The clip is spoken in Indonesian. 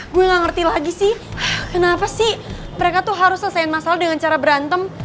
gue gak ngerti lagi sih kenapa sih mereka tuh harus selesaiin masalah dengan cara berantem